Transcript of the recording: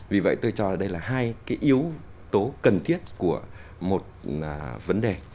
vì vậy tôi cho là đây là hai cái yếu tố cần thiết của một vấn đề